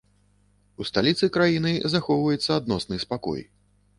У сталіцы краіны захоўваецца адносны спакой.